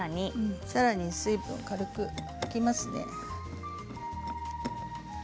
さらに水分を軽く拭きますね。